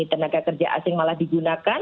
tenaga kerja asing malah digunakan